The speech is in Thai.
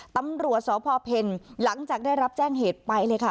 ตำรวจสพเพลหลังจากได้รับแจ้งเหตุไปเลยค่ะ